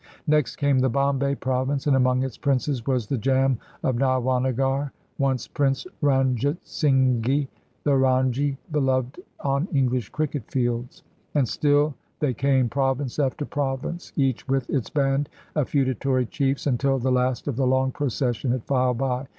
Next came the Bombay Province, and among its princes was the Jam of Nawanagar, once Prince Ran jitsinghi, the " Ranji" beloved on EngHsh cricket fields. And still they came, province after province, each with its band of feudatory chiefs, until the last of the long procession had filed by.